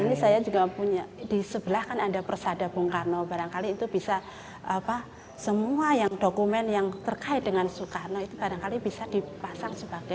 ini saya juga punya di sebelah kan ada persada bung karno barangkali itu bisa apa semua yang dokumen yang terkait dengan soekarno itu barangkali bisa dipasang sebagai